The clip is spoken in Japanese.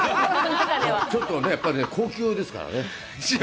ちょっとね、やっぱり高級ですからね。